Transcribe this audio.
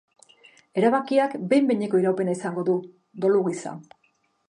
Erabakiak behin behineko iraupena izango du, dolu gisa.